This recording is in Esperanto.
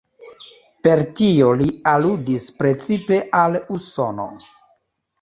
Per tio li aludis precipe al Usono.